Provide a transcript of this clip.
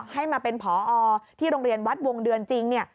ให้มาเป็นผอที่โรงเรียนวัดวงเดือนจริง